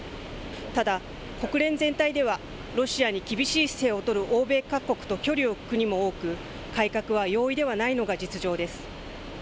ただ、国連全体では、ロシアに厳しい姿勢を取る欧米各国と距離を置く国も多く、改革は容易ではないのが実情です。